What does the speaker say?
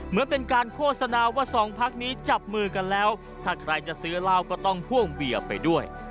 เมื่อเป็นการโฆษณาว่าสองพักนี้จับมือกันแล้วถ้าใครจะซื้อเหล้าก็ต้องพ่วงเวียไปด้วย